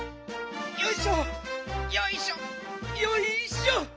よいしょよいしょよいしょ！